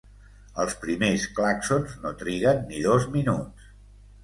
Els primers clàxons no triguen ni dos minuts.